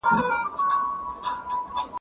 ځینې شعرپوهان شعر موزون ګڼي.